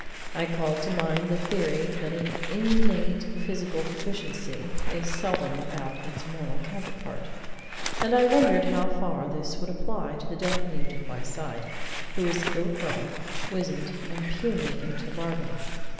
I called to mind the theory that an innate physical deficiency is seldom without its moral counterpart, and I wondered how far this would apply to the deaf mute at my side, who was ill grown, wizened, and puny into the bargain.